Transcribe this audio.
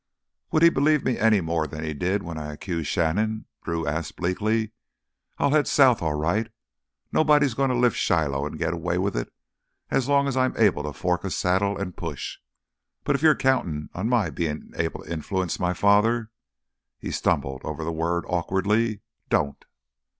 "Would he believe me any more than he did when I accused Shannon?" Drew asked bleakly. "I'll head south, all right. Nobody's goin' to lift Shiloh and get away with it as long as I'm able to fork a saddle and push. But if you're countin' on my bein' able to influence my—my father"—he stumbled over the word awkwardly—"don't!"